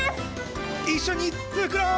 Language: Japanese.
いっしょにつくろう！